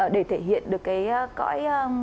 để thể hiện được cái cõi